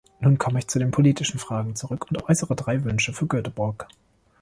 Nun komme ich zu den politischen Fragen zurück und äußere drei Wünsche für Göteborg.